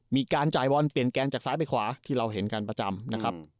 มีการจ่ายบอลเปลี่ยนแกนจากซ้ายไปขวาที่เราเห็นกันประจำนะครับ